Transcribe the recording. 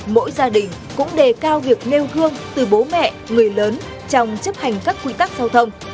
mỗi gia đình cũng đề cao việc nêu gương từ bố mẹ người lớn trong chấp hành các quy tắc giao thông